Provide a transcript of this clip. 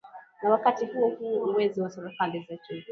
na wakati huo huo uwezo wa serikali zetu